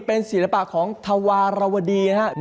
เป็นศิลปะของธวารวดีนะครับ